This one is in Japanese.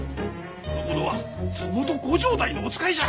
この者は洲本御城代のお使いじゃ。